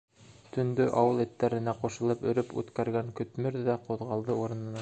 Төндө ауыл эттәренә ҡушылып өрөп үткәргән Көтмөр ҙә ҡуҙғалды урынынан.